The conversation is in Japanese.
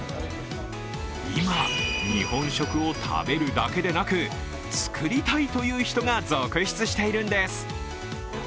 今、日本食を食べるだけでなく作りたいという人が続出しているんです。